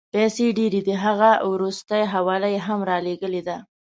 پیسې ډېرې دي، هغه وروستۍ حواله یې هم رالېږلې ده.